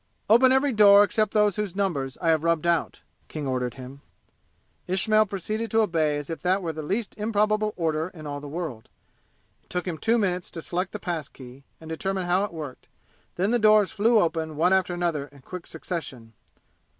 "Open every door except those whose numbers I have rubbed out!" King ordered him. Ismail proceeded to obey as if that were the least improbable order in all the world. It took him two minutes to select the pass key and determine how it worked, then the doors flew open one after another in quick succession.